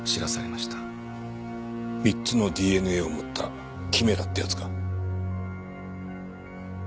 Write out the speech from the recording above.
３つのＤＮＡを持ったキメラってやつか。